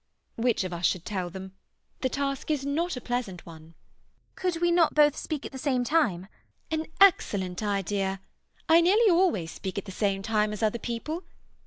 Which of us should tell them? The task is not a pleasant one. CECILY. Could we not both speak at the same time? GWENDOLEN. An excellent idea! I nearly always speak at the same time as other people.